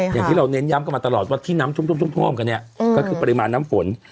อย่างที่เราเน้นย้ำกันมาตลอดว่าที่น้ำท่วมกันเนี่ยก็คือปริมาณน้ำฝน